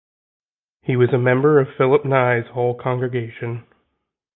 He was a member of Philip Nye's Hull congregation.